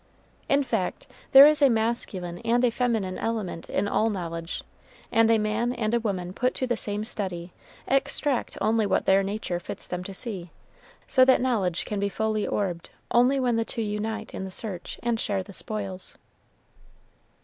In fact, there is a masculine and a feminine element in all knowledge, and a man and a woman put to the same study extract only what their nature fits them to see, so that knowledge can be fully orbed only when the two unite in the search and share the spoils.